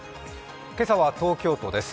今朝は東京都です。